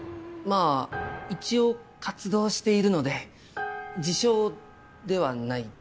あ一応活動しているので自称ではないです。